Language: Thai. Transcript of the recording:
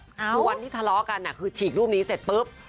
คือวันที่ทะเลาะกันคือฉีกรูปนี้เสร็จปุ๊บ